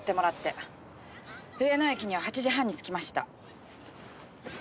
上野駅には８時半に着きました。